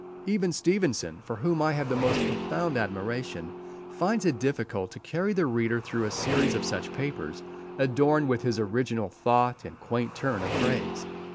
Even Stevenson, for whom I have the most profound admiration, finds it difficult to carry the reader through a series of such papers, adorned with his original thought and quaint turn of phrase.